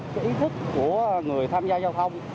cái ý thức của người tham gia giao thông